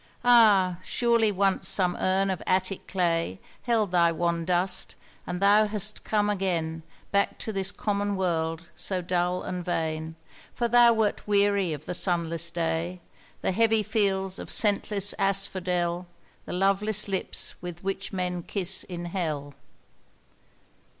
Ah! surely once some urn of Attic clay Held thy wan dust, and thou hast come again Back to this common world so dull and vain, For thou wert weary of the sunless day, The heavy fields of scentless asphodel, The loveless lips with which men kiss in Hell.